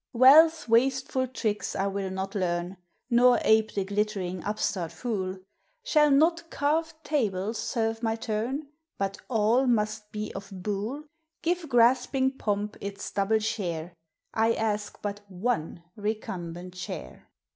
Wealth's wasteful tricks I will not learn, Nor ape I he glittering upstart fool ; Shall not carved tables serve my turn, But dtt must be <>f huh I f Give grasping pomp its double share, — I ask but "/" recumbent ehair.